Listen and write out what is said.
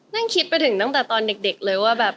นั่งคิดไปถึงตั้งแต่ตอนเด็กเลยว่าแบบ